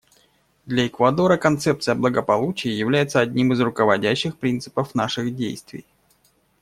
Для Эквадора концепция благополучия является одним из руководящих принципов наших действий.